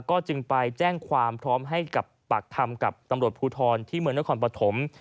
ก็จึงไปแจ้งความพร้อมให้กับปากคำกับตำรวจภูทรที่เมืองนครปฐม